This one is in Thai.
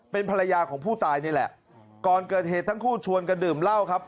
เป็นภรรยาของผู้ตายนี่แหละก่อนเกิดเหตุทั้งคู่ชวนกันดื่มเหล้าครับ